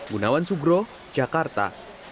gunawan sugro jakarta